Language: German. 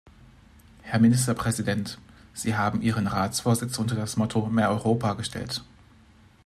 Herr Ministerpräsident, Sie haben Ihren Ratsvorsitz unter das Motto "Mehr Europa " gestellt.